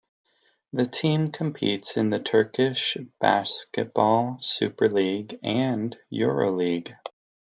The team competes in the Turkish Basketball Super League and EuroLeague.